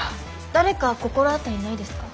誰か心当たりないですか？